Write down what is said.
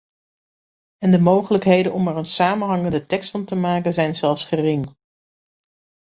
En de mogelijkheden om er een samenhangende tekst van te maken zijn zelfs gering.